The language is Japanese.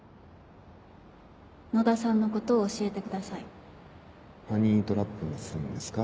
野田さんのことを教えてくださいハニートラップもするんですか？